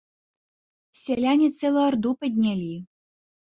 Сяляне цэлую арду паднялі.